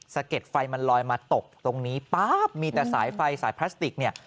เก็ดไฟมันลอยมาตกตรงนี้ป๊าบมีแต่สายไฟสายพลาสติกเนี่ย